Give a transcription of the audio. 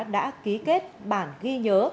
đã ký kết bản ghi nhớ